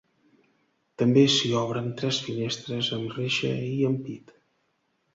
També s'hi obren tres finestres amb reixa i ampit.